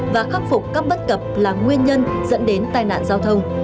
và khắc phục các bất cập là nguyên nhân dẫn đến tai nạn giao thông